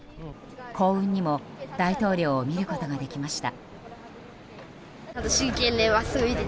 幸運にも大統領を見ることができました。